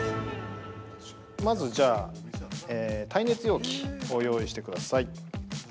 ◆まず、耐熱容器を用意してください。